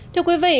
thưa quý vị